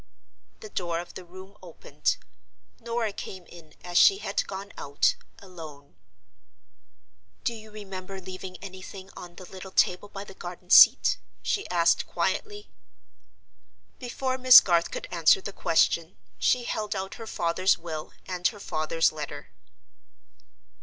The door of the room opened. Norah came in, as she had gone out, alone. "Do you remember leaving anything on the little table by the garden seat?" she asked, quietly. Before Miss Garth could answer the question, she held out her father's will and her father's letter.